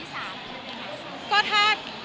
แล้วก็มีโอกาสที่จะมีคนที่สาธิน